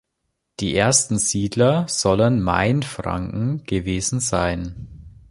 Die ersten Siedler sollen Mainfranken gewesen sein.